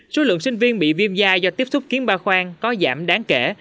số lượng sinh viên bị viêm da do tiếp xúc kiến ba khoang có giảm đáng kể